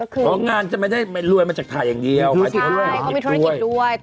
อ๋อเพราะงานไม่ได้รวยมาจากไทยอย่างเดียวมีธุรกิจด้วยใช่เขามีธุรกิจด้วย